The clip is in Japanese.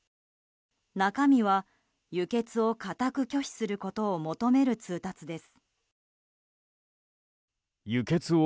中身は輸血を固く拒否することを求める通達です。